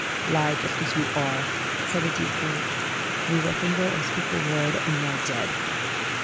"Lie just as you are," said a deep voice. "Move a finger or speak a word, and you are dead."